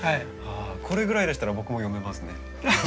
これぐらいでしたら僕も読めますね。